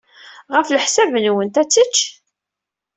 Ɣef leḥsab-nwent, ad tečč?